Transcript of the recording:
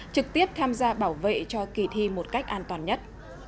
trực tiếp tham gia bảo vệ cho kỳ thi một cách an toàn nhất